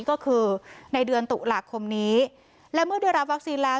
ก็คือในเดือนตุลาคมนี้และเมื่อได้รับวัคซีนแล้ว